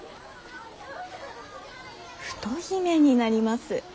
太姫になります。